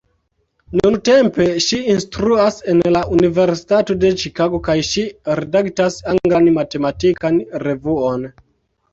Nuntempe ŝi instruas en la Universitato de Ĉikago kaj ŝi redaktas anglan matematikan revuon.